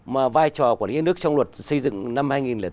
mà vai trò quản lý nhà nước trong luật xây dựng năm hai nghìn một mươi bốn